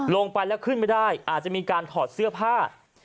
ลงไปแล้วขึ้นไม่ได้อาจจะมีการถอดเสื้อผ้า